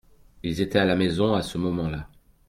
Ils étaient à la maison à ce moment-là.